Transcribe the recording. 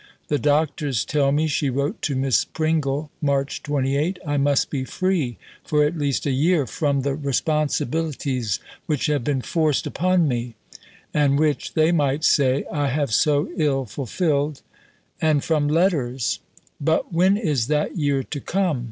"The doctors tell me," she wrote to Miss Pringle (March 28), "I must be 'free' for at least a year 'from the responsibilities which have been forced upon me' (and which, they might say, I have so ill fulfilled) and from 'letters.' But when is that year to come?